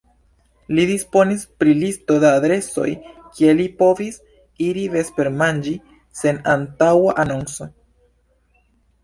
Li disponis pri listo da adresoj, kie li povis iri vespermanĝi sen antaŭa anonco.